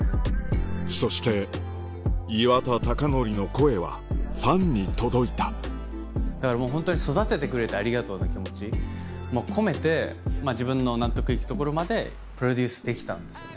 そして岩田剛典の声はファンに届いただからホントに育ててくれてありがとうの気持ちも込めて自分の納得いくところまでプロデュースできたんですよね。